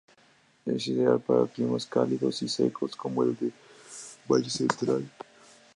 Es ideal para climas cálidos y secos como el del Valle Central.